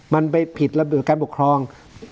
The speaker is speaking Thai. มันไปผิดระเบียบการปกครอง